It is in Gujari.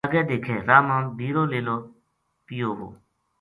اَگے دیکھے راہ مابِیرو لیلو پیو وو